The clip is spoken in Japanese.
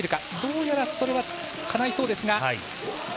どうやら、それはかないそうです。